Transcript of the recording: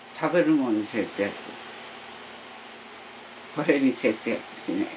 これに節約しない。